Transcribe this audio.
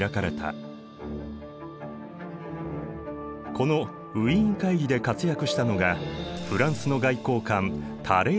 このウィーン会議で活躍したのがフランスの外交官タレーランだ。